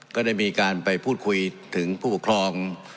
ก็ได้มีการไปพูดคุยถึงผู้ปกครอง